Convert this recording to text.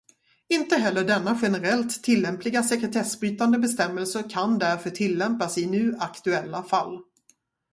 Inte heller denna generellt tillämpliga sekretessbrytande bestämmelse kan därför tillämpas i nu aktuella fall.